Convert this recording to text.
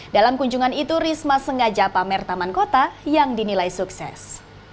dalam kunjungan itu risma sengaja pamer taman kota yang dinilai sukses